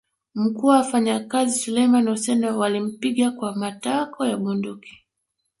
Mkuu wa wafanyikazi Suleiman Hussein walimpiga kwa matako ya bunduki